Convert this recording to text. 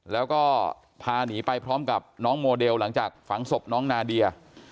แล้วก็พาหนีไปพร้อมกับน้องโมเดลหลังจากฝังศพน้องนาเดีย